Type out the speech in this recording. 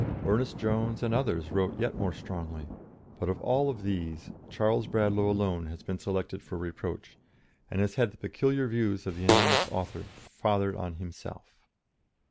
Ernest Jones and others wrote yet more strongly, but out of all these Charles Bradlaugh alone has been selected for reproach, and has had the peculiar views of the anonymous author fathered on himself.